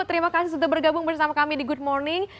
terima kasih sudah bergabung bersama kami di good morning